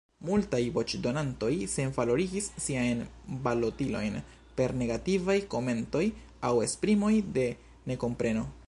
Multaj voĉdonantoj senvalorigis siajn balotilojn per negativaj komentoj aŭ esprimoj de nekompreno.